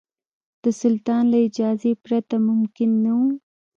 د سلطان له اجازې پرته ممکن نه وو.